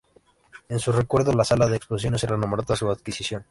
En su recuerdo, la sala de exposiciones se renombró tras su adquisición.